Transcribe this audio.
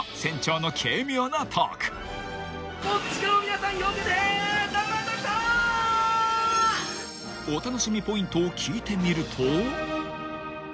［お楽しみポイントを聞いてみると］